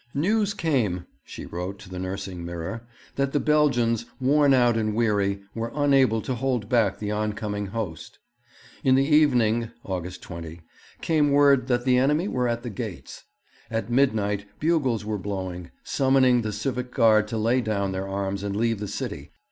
'News came,' she wrote to the Nursing Mirror, 'that the Belgians, worn out and weary, were unable to hold back the oncoming host.... In the evening (August 20) came word that the enemy were at the gates. At midnight bugles were blowing, summoning the civic guard to lay down their arms and leave the city....